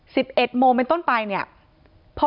ที่มีข่าวเรื่องน้องหายตัว